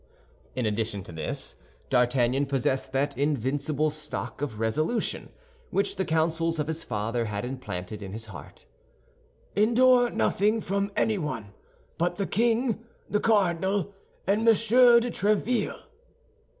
In addition to this, D'Artagnan possessed that invincible stock of resolution which the counsels of his father had implanted in his heart: "Endure nothing from anyone but the king, the cardinal, and Monsieur de Tréville."